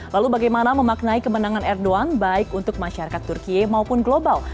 lalu bagaimana memaknai kemenangan erdogan baik untuk masyarakat turkiye maupun global